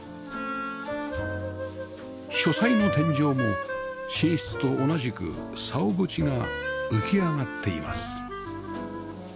書斎の天井も寝室と同じく竿縁が浮き上がっています